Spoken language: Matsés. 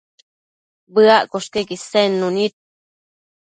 Bëaccosh queque isednu nid